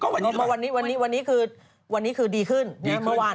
วันนี้คือดีขึ้น